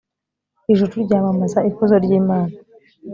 ijuru ryamamaza ikuzo ry'imana